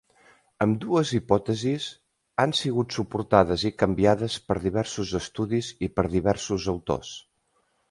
Ambdues hipòtesis han sigut suportades i canviades per diversos estudis i per diversos autors.